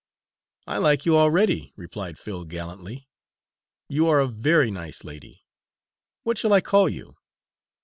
"I like you already," replied Phil gallantly. "You are a very nice lady. What shall I call you?"